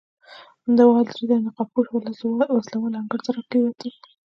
همدا مهال درې تنه نقاب پوشه وسله وال انګړ ته راکېوتل.